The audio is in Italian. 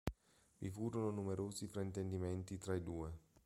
Vi furono numerosi fraintendimenti tra i due.